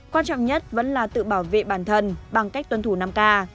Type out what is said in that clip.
quan trọng nhất vẫn là tự bảo vệ bản thân bằng cách tuân thủ năm k